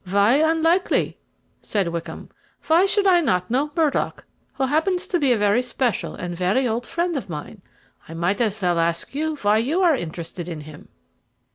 "Why unlikely?" said Wickham. "Why should I not know Murdock, who happens to be a very special and very old friend of mine? I might as well ask you why you are interested in him."